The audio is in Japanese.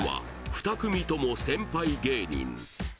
２組とも先輩芸人